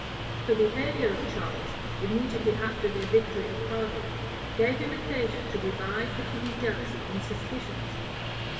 The behavior of Charles, immediately after the victory of Pavia, gave him occasion to revive the king's jealousy and suspicions.